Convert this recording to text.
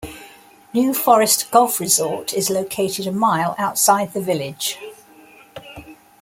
New Forest Golf Resort is located a mile outside the village.